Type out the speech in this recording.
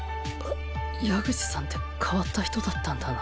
矢口さんって変わった人だったんだな。